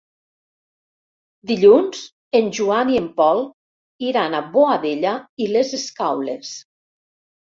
Dilluns en Joan i en Pol iran a Boadella i les Escaules.